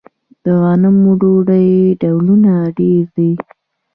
د غنمو ډوډۍ ډولونه ډیر دي.